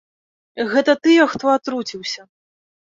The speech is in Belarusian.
Гэта тыя, хто атруціўся.